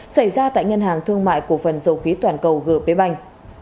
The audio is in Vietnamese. xảy ra tại ngân hàng thương mại của phần dầu khí toàn cầu g p banh